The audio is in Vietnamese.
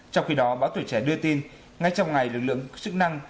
trong khi đó báo tuổi trẻ đưa tin ngay trong ngày lực lượng chức năng